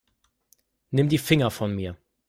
Nimm die Finger von mir.